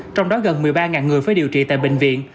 trong đó gần một mươi ba người phải điều trị tại bệnh viện